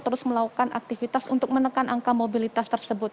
terus melakukan aktivitas untuk menekan angka mobilitas tersebut